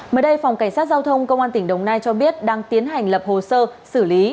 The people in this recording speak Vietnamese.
mới đây phòng cảnh sát giao thông công an tỉnh đồng nai cho biết đang tiến hành lập hồ sơ xử lý